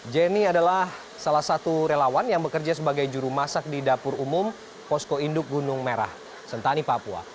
jenny adalah salah satu relawan yang bekerja sebagai juru masak di dapur umum posko induk gunung merah sentani papua